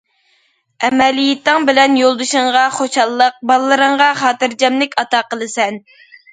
ئەمەلىيىتىڭ بىلەن يولدىشىڭغا خۇشاللىق، بالىلىرىڭغا خاتىرجەملىك ئاتا قىلىسەن.